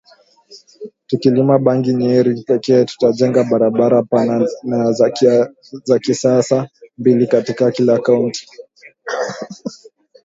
Tukilima bangi Nyeri pekee tutajenga barabara pana na za kisasa mbili katika kila kaunti